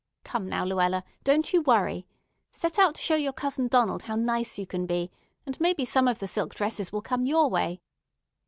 Come now, Luella, don't you worry. Set out to show your cousin Donald how nice you can be, and maybe some of the silk dresses will come your way.